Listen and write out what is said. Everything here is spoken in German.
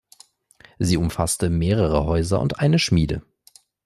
Sie umfasste mehrere Häuser und eine Schmiede.